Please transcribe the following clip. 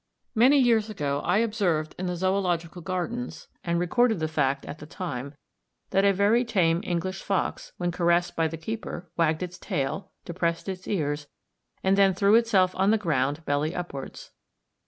Many years ago I observed in the Zoological Gardens, and recorded the fact at the time, that a very tame English fox, When caressed by the keeper, wagged its tail, depressed its ears, and then threw itself on the ground, belly upwards.